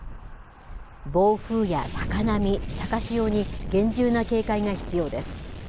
暴風や高波、高潮に厳重な警戒が必要です。